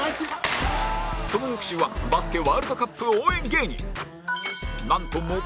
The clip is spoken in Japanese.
その翌週はバスケワールドカップ応援芸人